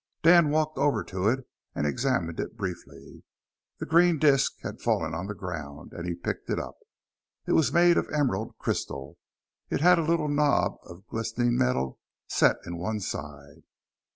Dan walked over to it, and examined it briefly. The green disk had fallen on the ground, and he picked it up. It was made of emerald crystal, it had a little knob of glistening metal set in one side.